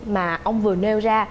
mà ông vừa nêu ra